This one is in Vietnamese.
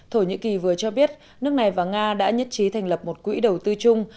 thổ nhĩ kỳ vừa cho biết nước này và nga đã nhất trí thành lập một quỹ đầu tư chung